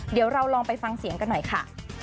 เดี๋ยวเราลองไปฟังเสียงกันหน่อยค่ะ